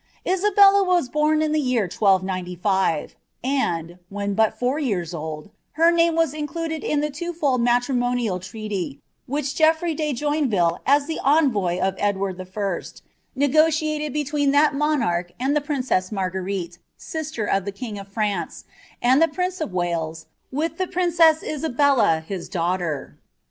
Isabella was bom in the year 1295, and, when but four years old, he name was included in the twofold mairimonial treaty whicli Ceot&tjit Joinviltc, as the envoy of Edward I., negotiated between iJist aoMlit and Ihe princess Marguerite, sister of the king of Fnutce, uul the pliW »f Wales, with the princess Isabella his dauirhler.